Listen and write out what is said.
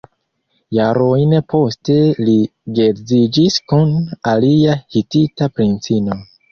Jarojn poste li geedziĝis kun alia hitita princino.